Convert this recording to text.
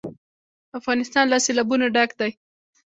افغانستان له سیلابونه ډک دی.